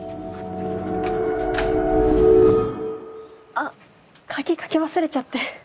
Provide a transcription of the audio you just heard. あっ鍵かけ忘れちゃって。